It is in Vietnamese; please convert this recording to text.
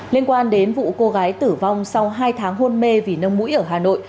liên quan đến vụ cô gái tử vong sau hai tháng hôn mê vì nông mũi ở hà nội